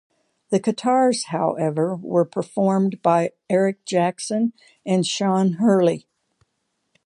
The guitars, however, were performed by Eric Jackson and Sean Hurley.